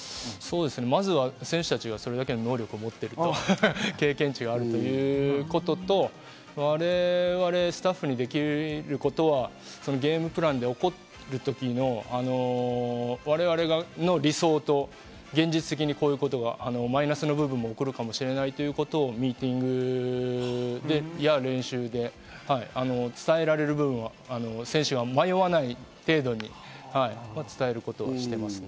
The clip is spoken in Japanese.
まずは選手たちがそれだけの能力を持ってること、経験値があるということと、我々スタッフにできることは、ゲームプランで起こる時の我々の理想と現実的に、こういうことがマイナスの部分が起こるかもしれないということをミーティングや練習で伝えられる部分は選手が迷わない程度には伝えることにしています。